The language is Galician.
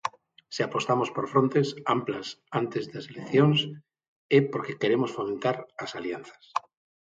Se apostamos por frontes amplas antes das eleccións, é porque queremos fomentar as alianzas.